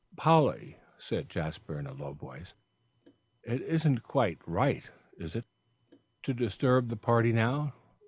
"Polly," said Jasper, in a low voice, "it isn't quite right, is it, to disturb the party now?